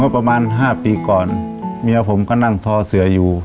ประมาณ๕ปีก่อนเมียผมก็นั่งทอเสืออยู่